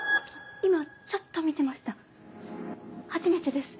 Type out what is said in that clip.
今ちょっと見てました初めてです。